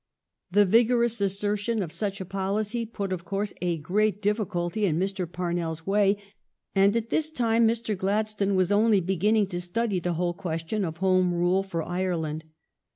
The vigorous assertion of such a policy put, of course, a great difficulty in Mr. Parnells way, and at this time Mr. Gladstone was only beginning to study the whole question of Home Rule for Ireland.